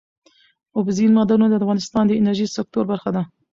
اوبزین معدنونه د افغانستان د انرژۍ سکتور برخه ده.